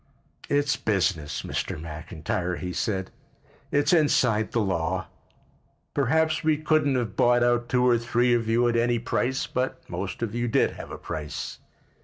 "It's business, Mr. McIntyre," he said. "It's inside the law. Perhaps we couldn't have bought out two or three of you at any price, but most of you did have a price.